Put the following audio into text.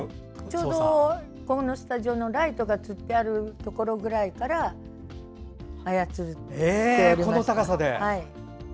ちょうどこのスタジオのライトがつってあるところくらいから操っておりました。